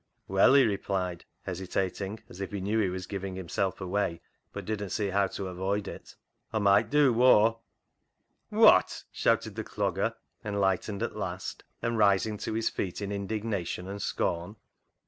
" Well," he replied, hesitating as if he knew he was giving himself away, but didn't see how to avoid it, " Aw met dew wor." " Wot !" shouted the Clogger, enlightened at last, and rising to his feet in his indignation and scorn.